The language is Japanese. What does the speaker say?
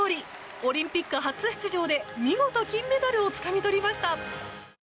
オリンピック初出場で見事、金メダルをつかみ取りました。